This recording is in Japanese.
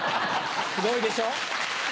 すごいでしょ？